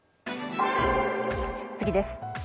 次です。